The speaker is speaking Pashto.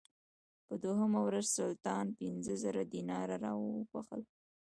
په دوهمه ورځ سلطان پنځه زره دیناره راوبخښل.